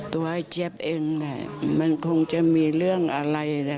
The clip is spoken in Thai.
ตัวไอ้เจฟเองนะมันคงจะมีเรื่องอะไรนะ